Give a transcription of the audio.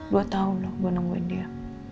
dua tahun loh gue nungguin dia